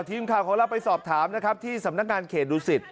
ทีมขาของเราไปสอบถามที่สำนักงานเขตดูสิทธิ์